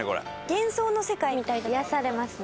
幻想の世界みたいで癒やされますね。